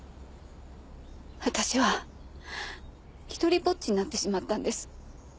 私は独りぼっちになってしまったんです。